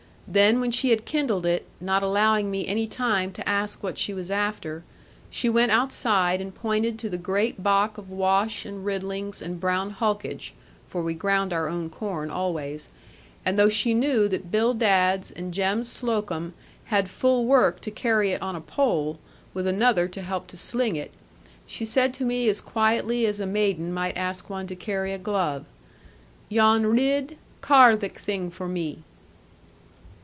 Then when she had kindled it, not allowing me any time to ask what she was after, she went outside, and pointed to the great bock of wash, and riddlings, and brown hulkage (for we ground our own corn always), and though she knew that Bill Dadds and Jem Slocombe had full work to carry it on a pole (with another to help to sling it), she said to me as quietly as a maiden might ask one to carry a glove, 'Jan Ridd, carr thic thing for me.'